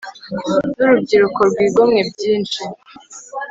n'urubyiruko rwigomwe byinshi